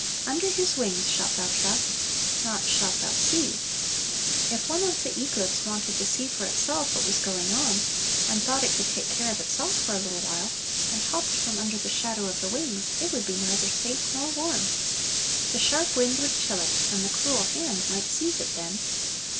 "Under His wings shall thou trust!" Not "shall thou see!" If one of the eaglets wanted to see for itself what was going on, and thought it could take care of itself for a little while, and hopped from under the shadow of the wings, it would be neither safe nor warm. The sharp wind would chill it, and the cruel hand might seize it then.